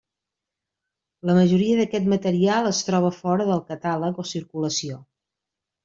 La majoria d'aquest material es troba fora de catàleg o circulació.